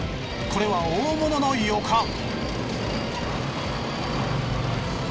これは大物の予感！